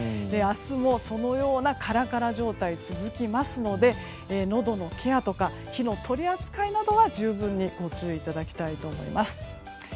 明日も、そのようなカラカラ状態が続きますのでのどのケアとか火の取り扱いなど十分にご注意いただきたいと思います。